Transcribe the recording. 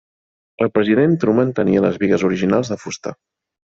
El president Truman tenia les bigues originals de fusta.